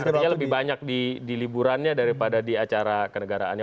artinya lebih banyak di liburannya daripada di acara kenegaraannya